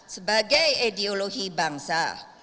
sebagai ideologi bangsa